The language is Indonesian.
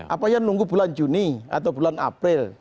apa ya nunggu bulan juni atau bulan april